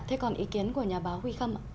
thế còn ý kiến của nhà báo huy khâm ạ